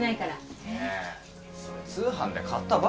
ねえそれ通販で買ったばっかじゃん。